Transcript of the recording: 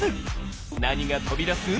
何が飛び出す？